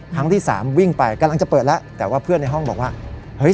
ครั้งที่สามวิ่งไปกำลังจะเปิดแล้วแต่ว่าเพื่อนในห้องบอกว่าเฮ้ย